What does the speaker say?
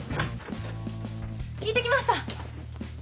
聞いてきました。